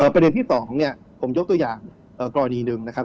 ประเด็นที่๒เนี่ยผมยกตัวอย่างกรณีหนึ่งนะครับ